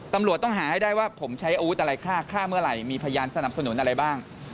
ตำรวจต้องหาให้ได้ว่าผมใช้อาวุธอะไรฆ่าฆ่าเมื่อไหร่มีพยานสนับสนุนอะไรบ้าง